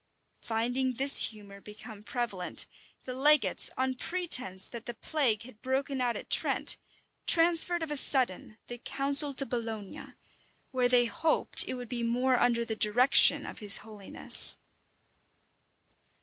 Finding this humor become prevalent, the legates, on pretence that the plague had broken out at Trent, transferred of a sudden the council to Bologna, where they hoped it would be more under the direction of his holiness.